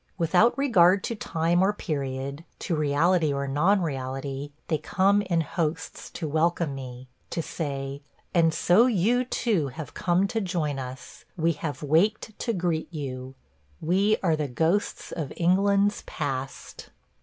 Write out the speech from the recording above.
Without regard to time or period, to reality or non reality, they come in hosts to welcome me – to say, "And so you, too, have come to join us. We have waked to greet you. We are the ghosts of England's past!"